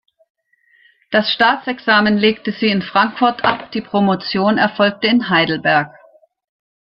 Das Staatsexamen legte sie in Frankfurt ab; die Promotion erfolgte in Heidelberg.